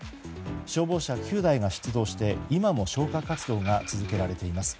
消防車９台が出動して今も消火活動が続けられています。